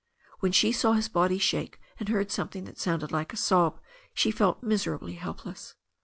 When she saw his body shake and heard something that sounded like a sob she felt miserably help less.